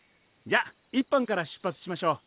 じゃあ１班から出発しましょう。